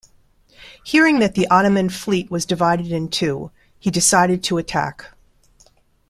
Hearing that the Ottoman fleet was divided in two, he decided to attack.